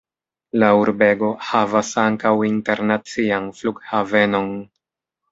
La urbego havas ankaŭ internacian flughavenon.